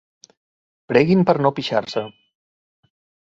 Preguin per no pixar-se.